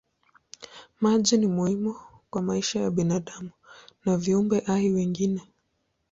Maji ni muhimu kwa maisha ya binadamu na viumbe hai wengine.